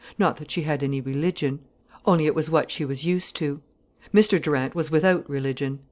Not that she had any religion. Only, it was what she was used to. Mr Durant was without religion.